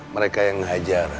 mereka yang hajar